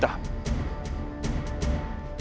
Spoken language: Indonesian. tapi kenapa sekarang